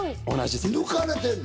抜かれてんの？